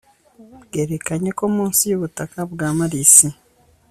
bwerekanye ko munsi y'ubutaka bwa marisi